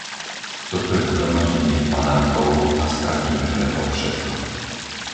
Toto je zhromaždenie panákov a stratíme preto všetko.